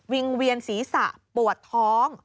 งเวียนศีรษะปวดท้อง